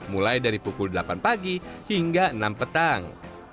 mulai dari pukul delapan pagi hingga enam petang